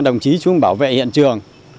và ba đồng chí chúng bảo vệ hiện trường